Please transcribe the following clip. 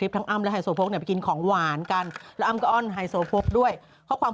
โอปอาจสีของของเธอโอปใช่ไหม